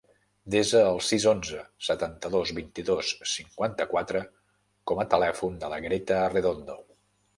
Desa el sis, onze, setanta-dos, vint-i-dos, cinquanta-quatre com a telèfon de la Greta Arredondo.